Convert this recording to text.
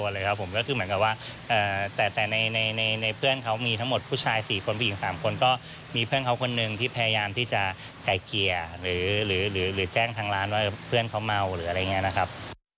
หรือว่าใจเกียร์หรือแจ้งทางร้านว่าเพื่อนเขาเมาหรืออะไรอย่างนี้นะครับ